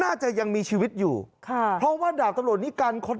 น่าจะยังมีชีวิตอยู่ค่ะเพราะว่าดาบตำรวจนิกัลคน